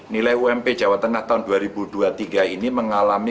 nilai ump jawa tengah tahun dua ribu dua puluh tiga ini mengalami